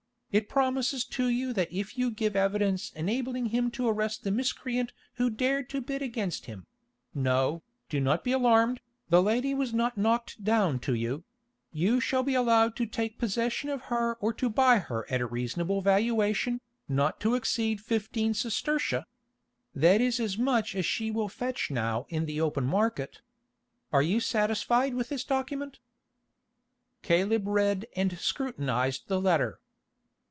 It promises to you that if you give evidence enabling him to arrest that miscreant who dared to bid against him—no, do not be alarmed, the lady was not knocked down to you—you shall be allowed to take possession of her or to buy her at a reasonable valuation, not to exceed fifteen sestertia. That is as much as she will fetch now in the open market. Are you satisfied with this document?" Caleb read and scrutinised the letter.